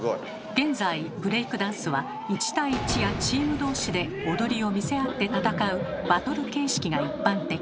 現在ブレイクダンスは１対１やチーム同士で踊りを見せ合って戦う「バトル形式」が一般的。